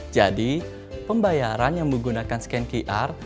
jadi pembayaran yang menggunakan scan qr